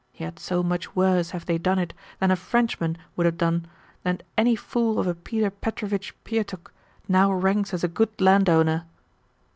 Yet so much worse have they done it than a Frenchman would have done that any fool of a Peter Petrovitch Pietukh now ranks as a good landowner!"